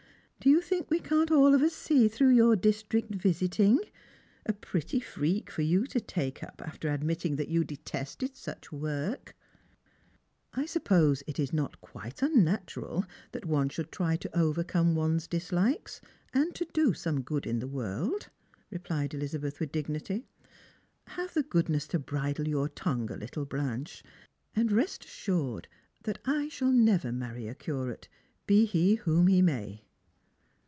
Do you think we can't all of us see through your district visiting ? A pretty freak for you to take up, after admitting that you detested such work !"" I suppose it is not (juite unnatural that one should try to overcome one's dislikes, and to do some good in the world," replied Elizabeth with dignity. " Have the goodness to bridle your tongue a little, Blanche; and rest assured that I shall never marry a Curate, be he whom he may."